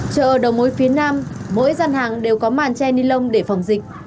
chợ ở đầu mối phía nam mỗi gian hàng đều có màn che nilon để phòng dịch